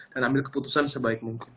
dan ambil keputusan sebaik mungkin